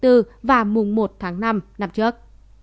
tại mùng một tháng năm năm trước